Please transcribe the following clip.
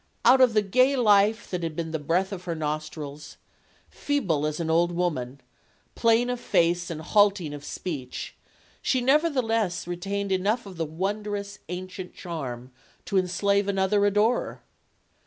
Out of the gay life that had been the breath of her nostrils, feeble as an old woman, plain of face and halting of speech she nevertheless retained enough of the wondrous ancient charm to enslave another adorer.